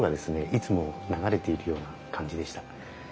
いつも流れているような感じでした。